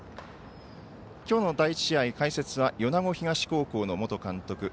きょうの第１試合、解説は米子東高校の元監督